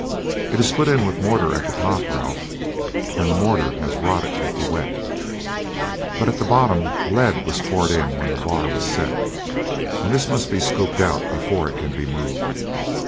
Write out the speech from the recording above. "It is put in with mortar at the top, Ralph, and the mortar has rotted with the wet, but at the bottom lead was poured in when the bar was set and this must be scooped out before it can be moved.